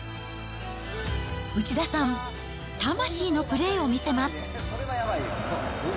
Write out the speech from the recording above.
内田さん、魂のプレーを見せます。